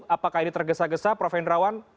apakah ini tergesa gesa prof hendrawan